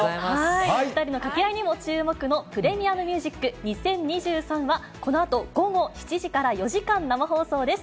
お２人の掛け合いにも注目の、ＰｒｅｍｉｕｍＭｕｓｉｃ２０２３は、このあと午後７時から４時間生放送です。